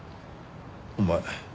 お前